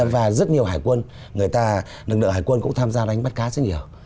và rất nhiều hải quân người ta lực lượng hải quân cũng tham gia đánh bắt cá rất nhiều